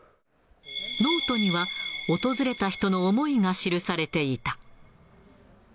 ノートには訪れた人の思いが記されていた。